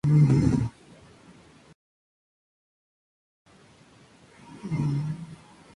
La siguiente lista de fechas enlaza solo con fiestas fijas de la Iglesia ortodoxa.